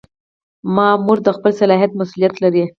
مامور د خپل صلاحیت مسؤلیت لري.